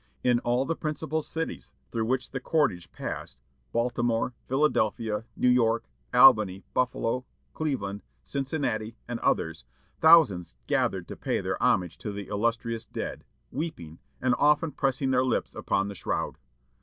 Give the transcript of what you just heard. In all the principal cities through which the cortege passed, Baltimore, Philadelphia, New York, Albany, Buffalo, Cleveland, Cincinnati, and others, thousands gathered to pay their homage to the illustrious dead, weeping, and often pressing their lips upon the shroud.